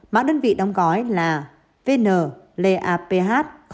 mã đơn vị đóng gói là vnlaph tám